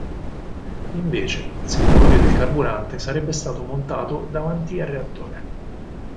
Invece, il serbatoio del carburante sarebbe stato montato davanti al reattore.